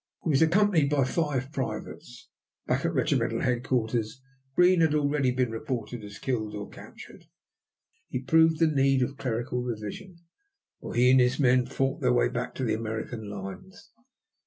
He was accompanied by five privates. Back at regimental headquarters Green had already been reported as killed or captured. He proved the need of clerical revision, for he and his men fought their way back to the American lines.